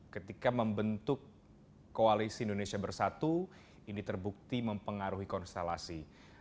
ketika membentuk koalisi indonesia bersatu ini terbukti mempengaruhi konstelasi